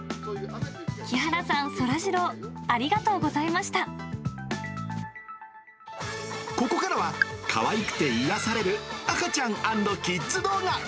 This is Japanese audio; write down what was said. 木原さん、そらジロー、ここからは、かわいくて癒やされる赤ちゃん＆キッズ動画。